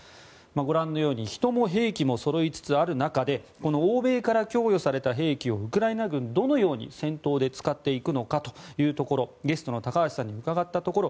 ご覧のように人も兵器もそろいつつある中でこの欧米から供与された兵器をウクライナ軍どのように戦闘で使っていくのかというところゲストの高橋さんに伺ったところ